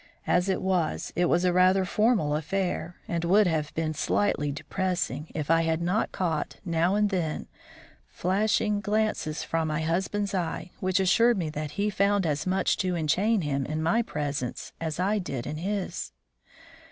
As it was, it was a rather formal affair, and would have been slightly depressing, if I had not caught, now and then, flashing glances from my husband's eye which assured me that he found as much to enchain him in my presence as I did in his.